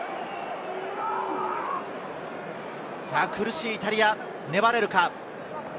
苦しいイタリア、粘れるか？